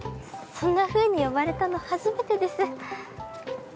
そんなふうに呼ばれたの初めてです。